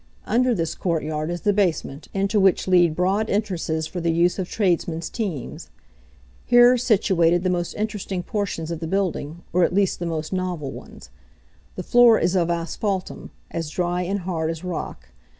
Under this courtyard is the basement, into which lead broad entrances for the use of trademen's teams. Here are situated the most interesting portions of the building, or at least the most novel ones. The floor is of asphaltum, as dry and hard as rock.